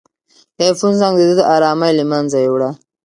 د آیفون زنګ د ده ارامي له منځه یووړه.